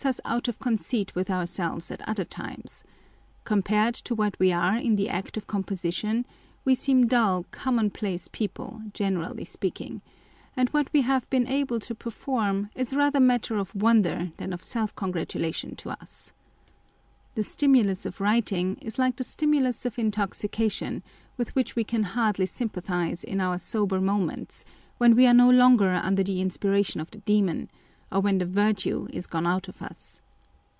173 out of conceit with ourselves at other times : compared to what we are in the act of composition, we seem dull com monplace people, generally speaking ; and what we have been able to perform is rather matter of* wonder than of self congratulation to us. The stimulus of writing is like the stimulus of intoxication, with which we can hardly sympathise in our sober moments, when we are no longer under the inspiration of the demon, or when the virtue is gone out of us.